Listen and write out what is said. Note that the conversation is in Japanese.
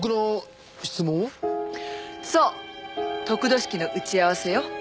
そう得度式の打ち合わせよ。